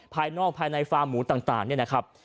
ภายนอกภายในฟาร์มหมูต่างเนี่ยนะครับ